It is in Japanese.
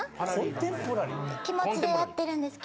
気持ちでやってるんですけど。